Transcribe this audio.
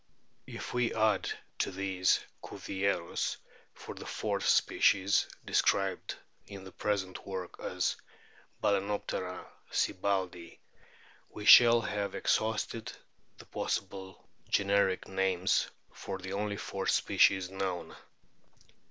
If we add to these Cuvieriiis for the fourth species, described in the present work as Balcen optera sibbaldii, we shall have exhausted the possible generic names for the only four species known.